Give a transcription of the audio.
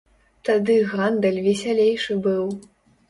Тады гандаль весялейшы быў.